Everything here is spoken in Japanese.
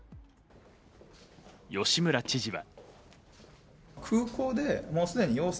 吉村知事は。